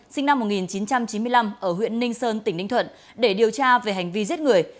sinh năm một nghìn chín trăm chín mươi năm ở huyện ninh sơn tỉnh ninh thuận để điều tra về hành vi giết người